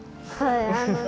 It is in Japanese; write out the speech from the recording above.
はい。